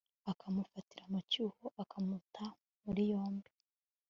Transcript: akamufatira mu cyuho, akamuta muri yombi